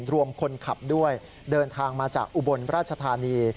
รวมคนขับด้วยเดินทางมาจากอุบลราชธานี